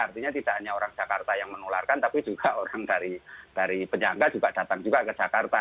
artinya tidak hanya orang jakarta yang menularkan tapi juga orang dari penyangga juga datang juga ke jakarta